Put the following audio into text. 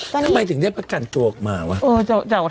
ทำไมถึงได้ประกันตัวออกมาวะ